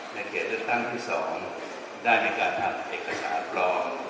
เขตเลือกตั้งที่๒ได้มีการทำเอกสารปลอม